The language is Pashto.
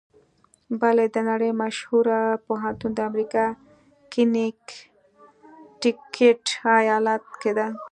یل د نړۍ مشهوره پوهنتون د امریکا په کنېکټیکیټ ایالات کې ده.